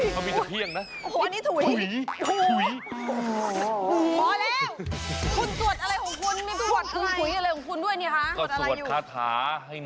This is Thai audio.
เดี๋ยวบอกยังไม่อยากบอกคนอื่น